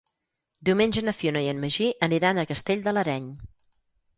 Diumenge na Fiona i en Magí aniran a Castell de l'Areny.